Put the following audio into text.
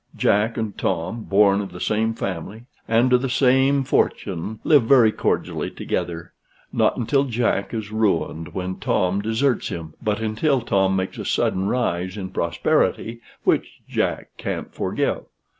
Jack and Tom, born of the same family and to the same fortune, live very cordially together, not until Jack is ruined when Tom deserts him, but until Tom makes a sudden rise in prosperity, which Jack can't forgive.